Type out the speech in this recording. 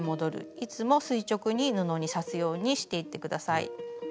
いつも垂直に布に刺すようにしていって下さい。